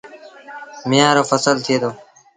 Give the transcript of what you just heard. ميݩهآن رو ڦسل ٿئي دو۔